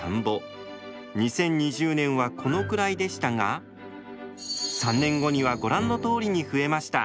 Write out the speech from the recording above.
２０２０年はこのくらいでしたが３年後にはご覧のとおりに増えました。